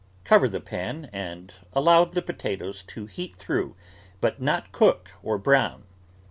Cover the pan and allow the potatoes to heat through but not cook or brown.